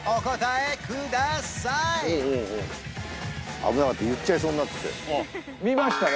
危なかった言っちゃいそうになって見ましたね